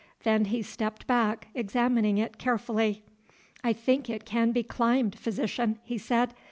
Then he stepped back, examining it carefully. "I think it can be climbed, Physician," he said.